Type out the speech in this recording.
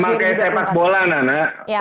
sama kayak tembak bola anak